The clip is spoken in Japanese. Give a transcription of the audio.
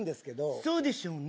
そうでしょうね。